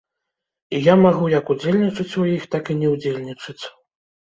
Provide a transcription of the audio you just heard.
І я магу як удзельнічаць у іх, так і не ўдзельнічаць.